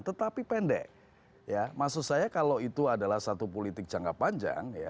tetapi pendek ya maksud saya kalau itu adalah satu politik jangka panjang